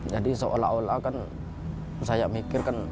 jadi seolah olah kan saya mikirkan